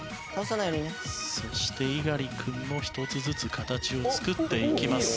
そして猪狩君も１つずつ形を作っていきます。